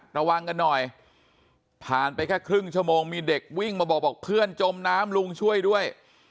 ระวังกันหน่อยผ่านไปแค่ครึ่งชั่วโมงมีเด็กวิ่งมาบอกบอกเพื่อนจมน้ำลุงช่วยด้วย